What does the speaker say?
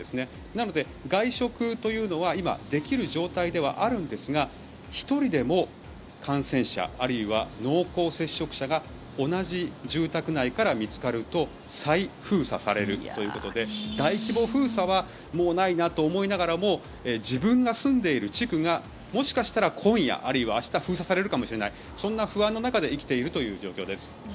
なので、外食というのは今、できる状況ではあるんですが１人でも感染者あるいは濃厚接触者が同じ住宅内から見つかると再封鎖されるということで大規模封鎖はもうないなと思いながらも自分が住んでいる地区がもしかしたら今夜、あるいは明日封鎖されるかもしれないそんな不安の中で生きているという状況です。